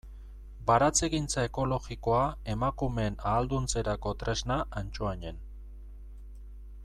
Baratzegintza ekologikoa emakumeen ahalduntzerako tresna Antsoainen.